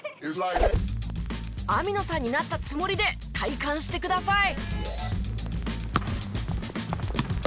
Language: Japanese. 網野さんになったつもりで体感してください。